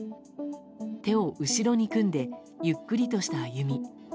手を後ろに組んでゆっくりとした歩み。